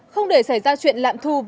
không để xảy ra chuyện lạm thu